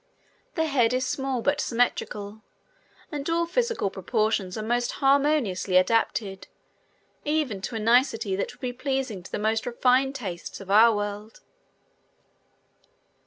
The head is small but symmetrical and all physical proportions are most harmoniously adapted even to a nicety that would be pleasing to the most refined tastes of our world.